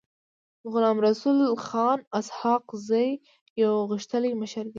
غلام رسول خان اسحق زی يو غښتلی مشر و.